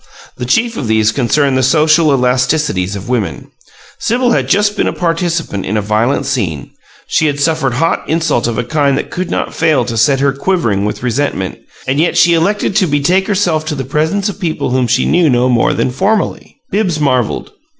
The chief of these concerned the social elasticities of women. Sibyl had just been a participant in a violent scene; she had suffered hot insult of a kind that could not fail to set her quivering with resentment; and yet she elected to betake herself to the presence of people whom she knew no more than "formally." Bibbs marveled.